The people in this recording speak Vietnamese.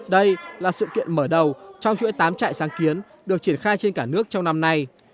đây là sự kiện mở đầu trong chuỗi tám trại sáng kiến được triển khai trên cả nước trong năm nay